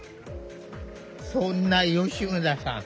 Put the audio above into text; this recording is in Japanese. そんな吉村さん